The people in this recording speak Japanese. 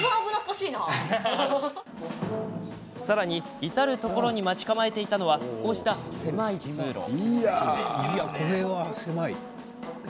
さらに、至る所に待ち構えていたのはこうした狭い通路。